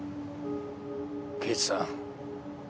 刑事さん。